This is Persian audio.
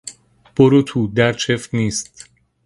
برو تو، در چفت نیست.